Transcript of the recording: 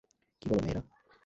কি বলো, মেয়েরা?